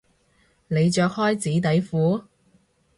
你着開紙底褲？